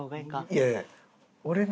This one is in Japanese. いやいや。